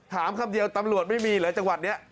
คำเดียวตำรวจไม่มีเหรอจังหวัดนี้